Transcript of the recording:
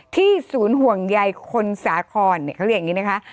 ที่ศูนย์ห่วงใยคนสาครอย่างนี้นะคะ